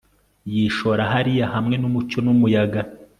Yishora hariya hamwe numucyo numuyaga